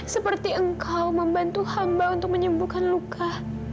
seperti engkau membantu hamba untuk menyembuhkan luka